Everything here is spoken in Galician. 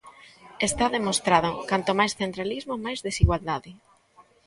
Está demostrado, canto máis centralismo máis desigualdade.